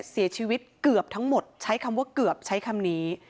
เสียชีวิตเกือบทั้งหมดใช้คำว่าเกือบใช้คำนี้